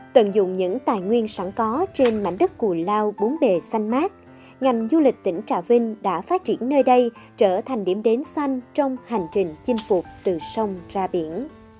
tận dụng những tài nguyên sẵn có trên mảnh đất cù lao bốn bề xanh mát ngành du lịch tỉnh trà vinh đã phát triển nơi đây trở thành điểm đến xanh trong hành trình chinh phục từ sông ra biển